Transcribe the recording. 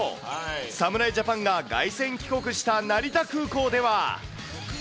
侍ジャパンが凱旋帰国した成田空港では。